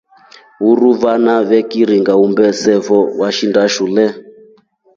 Uruu vaana vikiringa uumbe sefo veshinda shule.